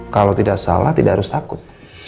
kalau tidak salah tidak harus takut